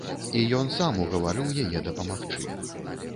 І ён сам угаварыў яе дапамагчы.